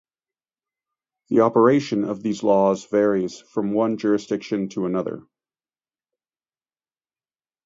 The operation of these laws varies from one jurisdiction to another.